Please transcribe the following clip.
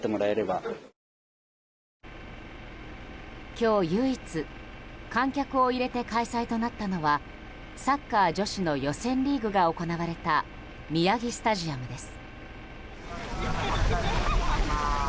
今日唯一観客を入れて開催となったのはサッカー女子の予選リーグが行われた宮城スタジアムです。